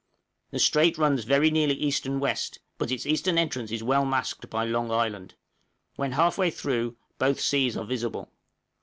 The strait runs very nearly east and west, but its eastern entrance is well masked by Long Island; when half way through both seas are visible.